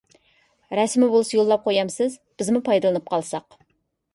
رەسىمى بولسا يوللاپ قويامسىز؟ بىزمۇ پايدىلىنىپ قالساق.